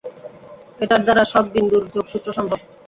এটার দ্বারা সব বিন্দুর যোগসূত্র সম্ভব।